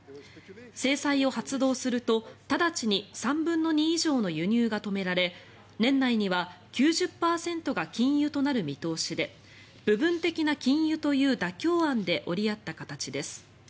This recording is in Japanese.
制裁を発動すると、直ちに３分の２以上の輸入が止められ年内には９０％が禁輸となる見通しで部分的な禁輸という妥協案で折り合った形です。